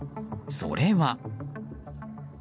それは。